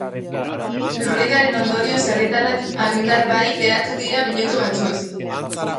Lurrikararen ondorioz herritarrak argindar barik geratu dira minutu batzuez.